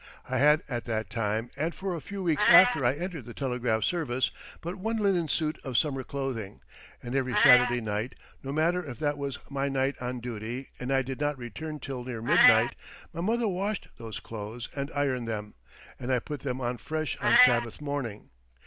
I had at that time, and for a few weeks after I entered the telegraph service, but one linen suit of summer clothing; and every Saturday night, no matter if that was my night on duty and I did not return till near midnight, my mother washed those clothes and ironed them, and I put them on fresh on Sabbath morning.